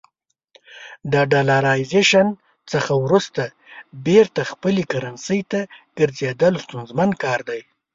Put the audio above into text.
د ډالرایزیشن څخه وروسته بیرته خپلې کرنسۍ ته ګرځېدل ستونزمن کار دی.